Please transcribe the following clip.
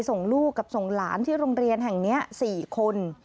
ส่งลูกกับส่งหลานที่โรงเรียนแห่งนี้๔คน